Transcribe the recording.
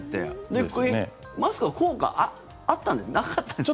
で、マスクは効果あったんですかなかったんですか？